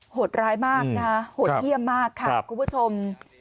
หดร้ายมากหดเฮียมมากค่ะคุณผู้ชม